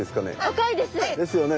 赤いです。ですよね。